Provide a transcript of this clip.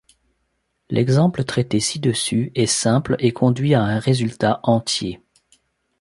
L'exemple traité ci-dessus est simple et conduit à un résultat entier.